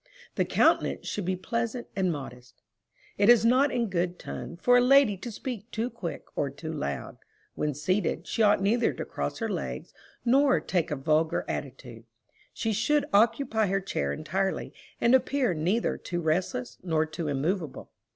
The countenance should be pleasant and modest. It is not in good ton for a lady to speak too quick or too loud. When seated, she ought neither to cross her legs, nor take a vulgar attitude. She should occupy her chair entirely, and appear neither too restless, nor too immovable.